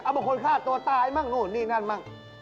เอ้าบอกว่าคนฆ่าตัวตายมั้งนี่นั่นมั้ง